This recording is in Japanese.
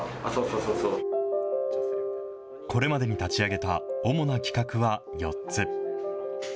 これまでに立ち上げた主な企画は４つ。